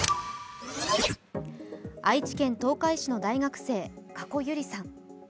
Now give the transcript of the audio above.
愛知県東海市の大学生加古結莉さん。